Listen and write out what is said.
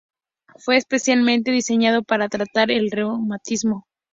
Fue especialmente diseñado para tratar el reumatismo.